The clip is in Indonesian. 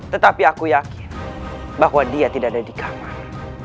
tetapi aku yakin bahwa dia tidak ada di kamar